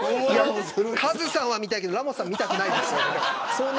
カズさんは見たいけどラモスさんは見たくないです。